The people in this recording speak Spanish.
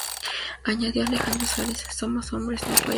Añadió Alejandro Suárez: "Somos hombres, no payasos".